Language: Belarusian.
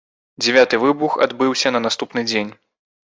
Дзявяты выбух адбыўся на наступны дзень.